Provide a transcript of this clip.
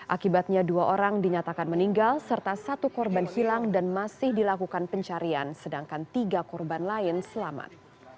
akibatnya dua orang dinyatakan meninggal serta satu korban hilang dan masih dilakukan pencarian sedangkan tiga korban lain selamat